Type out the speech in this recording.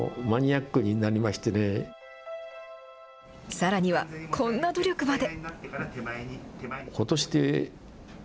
さらには、こんな努力まで。